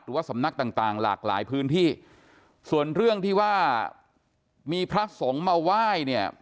สำนักต่างต่างหลากหลายพื้นที่ส่วนเรื่องที่ว่ามีพระสงฆ์มาไหว้เนี่ย